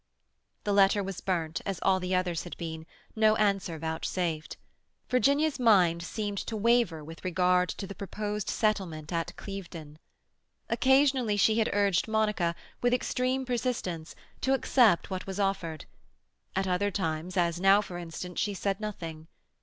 The letter was burnt, as all the others had been, no answer vouchsafed. Virginia's mind seemed to waver with regard to the proposed settlement at Clevedon. Occasionally she had urged Monica, with extreme persistence, to accept what was offered; at other times, as now, for instance, she said nothing.